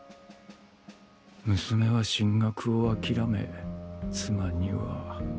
娘は進学を諦め妻には。